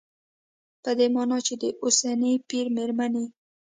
په دې مانا چې د اوسني پېر مېرمنې